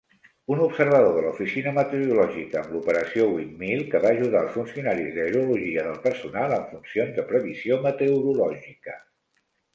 Un observador de l'Oficina Meteorològica amb l'operació Windmill que va ajudar els funcionaris d'aerologia del personal amb funcions de previsió meteorològica.